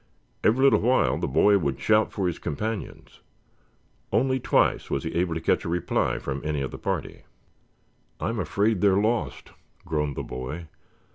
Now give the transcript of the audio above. Every little while the boy would shout for his companions. Only twice was he able to catch a reply from any of the party. "I am afraid they're lost," groaned the boy.